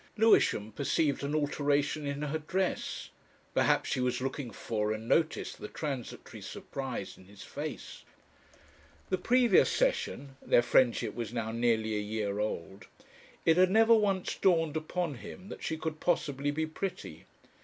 Lewisham perceived an alteration in her dress. Perhaps she was looking for and noticed the transitory surprise in his face. The previous session their friendship was now nearly a year old it had never once dawned upon him that she could possibly be pretty.